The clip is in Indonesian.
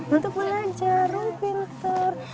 untuk belajar oh pintar